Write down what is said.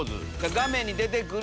画面に出て来る